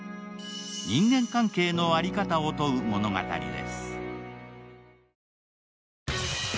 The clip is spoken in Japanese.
人間関係の在り方を問う物語です。